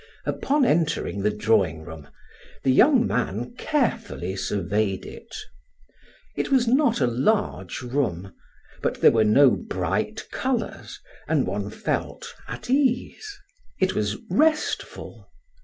Upon entering the drawing room, the young man carefully surveyed it. It was not a large room; but there were no bright colors, and one felt at ease; it was restful.